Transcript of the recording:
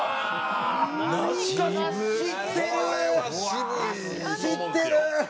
知ってるー！